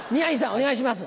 お願いします。